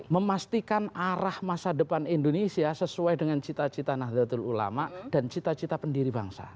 memastikan arah masa depan indonesia sesuai dengan cita cita nahdlatul ulama dan cita cita pendiri bangsa